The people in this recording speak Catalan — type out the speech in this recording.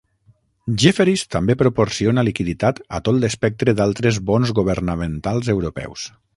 Jefferies també proporciona liquiditat a tot l'espectre d'altres bons governamentals europeus.